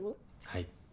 はい。